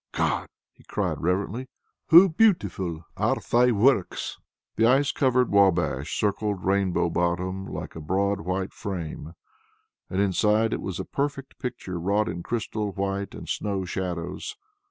"God!" he cried reverently. "Hoo beautifu' are Thy works." The ice covered Wabash circled Rainbow Bottom like a broad white frame, and inside it was a perfect picture wrought in crystal white and snow shadows.